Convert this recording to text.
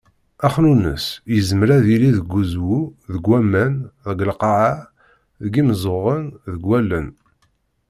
Axnunnes, yezmer ad yili deg uzwu, deg waman, deg lqaεa, deg yimeẓẓuɣen, deg wallen.